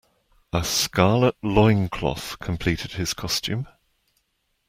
A scarlet loincloth completed his costume.